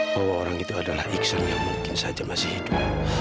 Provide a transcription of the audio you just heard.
bahwa orang itu adalah iksan yang mungkin saja masih hidup